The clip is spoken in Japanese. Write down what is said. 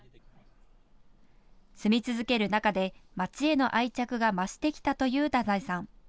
住み続ける中で街への愛着が増してきたという太宰さん。